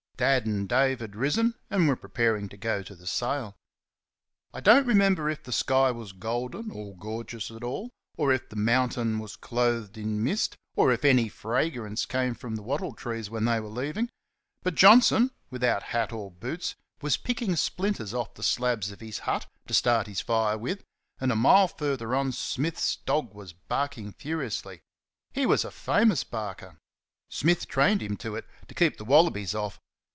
Dad and Dave had risen and were preparing to go to the sale. I don't remember if the sky was golden or gorgeous at all, or if the mountain was clothed in mist, or if any fragrance came from the wattle trees when they were leaving; but Johnson, without hat or boots, was picking splinters off the slabs of his hut to start his fire with, and a mile further on Smith's dog was barking furiously. He was a famous barker. Smith trained him to it to keep the wallabies off.